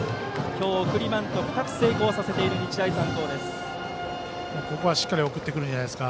今日、送りバントを２つ成功させている日大三高です。